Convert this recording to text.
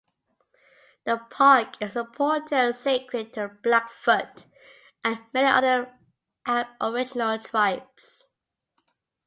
The park is important and sacred to the Blackfoot and many other aboriginal tribes.